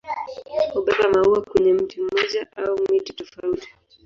Hubeba maua kwenye mti mmoja au miti tofauti.